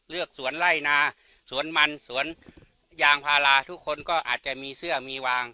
สวนไล่นาสวนมันสวนยางพาราทุกคนก็อาจจะมีเสื้อมีวาง